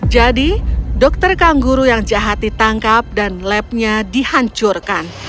jadi dokter kangguru yang jahat ditangkap dan lab nya dihancurkan